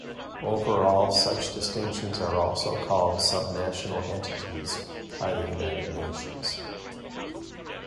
Overall, all such distinctions are also called subnational entities by the United Nations.